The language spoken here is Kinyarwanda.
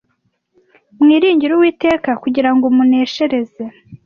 mwiringire uwiteka kugira ngo muneshereze